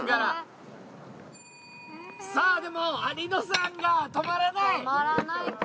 さあでもありのさんが止まらない。